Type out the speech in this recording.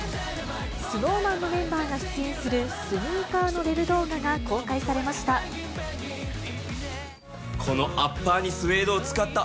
ＳｎｏｗＭａｎのメンバーが出演するスニーカーのウェブ動画が公開されました。